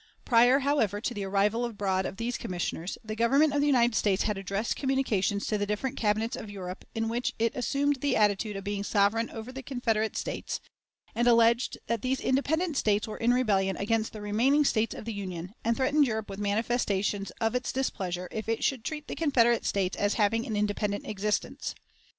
Prior, however, to the arrival abroad of these Commissioners, the Government of the United States had addressed communications to the different Cabinets of Europe, in which it assumed the attitude of being sovereign over the Confederate States, and alleged that these independent States were in rebellion against the remaining States of the Union, and threatened Europe with manifestations of its displeasure if it should treat the Confederate States as having an independent existence.